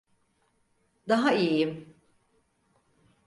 Daha iyiyim.